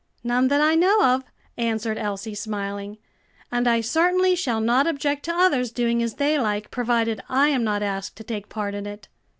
"None that I know of," answered Elsie, smiling. "And I certainly shall not object to others doing as they like, provided I am not asked to take part in it."